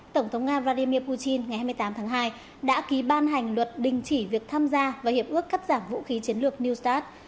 tổng thống nga vladimir putin ngày hai mươi tám tháng hai đã ký ban hành luật đình chỉ việc tham gia vào hiệp ước cắt giảm vũ khí chiến lược new start